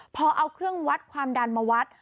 พอเอาเครื่องวัดความดันมาวัด